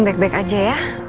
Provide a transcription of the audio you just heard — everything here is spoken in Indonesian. baik baik aja ya